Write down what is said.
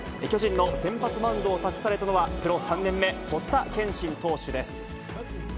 巨人の先発マウンドを託されたのは、プロ３年目、堀田賢慎投手です。